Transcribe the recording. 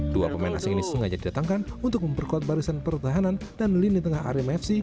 dua pemain asing ini sengaja didatangkan untuk memperkuat barisan pertahanan dan lini tengah arema fc